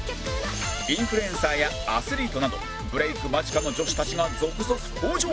インフルエンサーやアスリートなどブレーク間近の女子たちが続々登場！